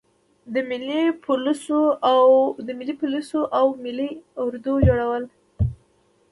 د ملي پولیسو او ملي اردو جوړول.